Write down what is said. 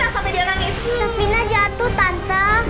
safina jatuh tante